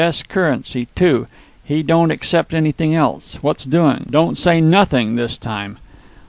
S. currency, too; he don't accept anything else. What's doing? Don't say 'nothing' this time."